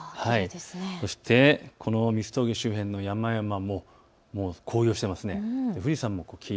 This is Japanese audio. そして三つ峠周辺の山々は紅葉しています。